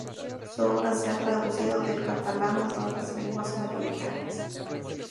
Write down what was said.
Su obra se ha traducido del catalán a todas las lenguas mayoritarias.